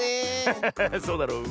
ハッハハハハそうだろ？